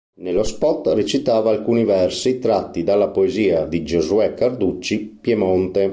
Nello spot recitava alcuni versi tratti dalla poesia di Giosuè Carducci "Piemonte".